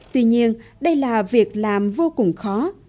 tuy nhiên đây là việc làm vô cùng khó